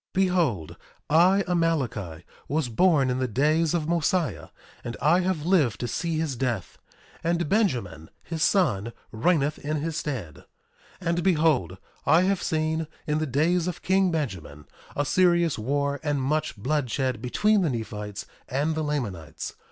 1:23 Behold, I, Amaleki, was born in the days of Mosiah; and I have lived to see his death; and Benjamin, his son, reigneth in his stead. 1:24 And behold, I have seen, in the days of king Benjamin, a serious war and much bloodshed between the Nephites and the Lamanites.